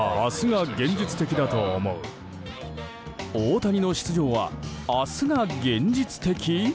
大谷の出場は明日が現実的？